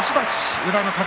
宇良の勝ち。